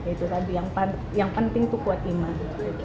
itu tadi yang penting itu kuat iman